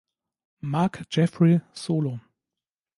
Marc Jeffrey Solo